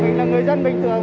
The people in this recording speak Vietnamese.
mình là người dân bình thường